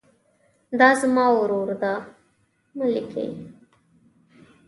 دا زما ورور ده مه لیکئ.